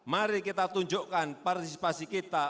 mari kita tunjukkan partisipasi kita